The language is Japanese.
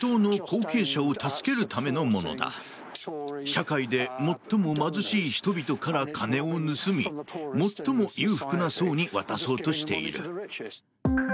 社会で最も貧しい人々から金を盗み最も裕福な層に渡そうとしている。